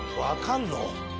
わかんの？